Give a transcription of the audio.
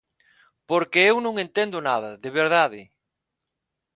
Porque eu non entendo nada, ¡de verdade!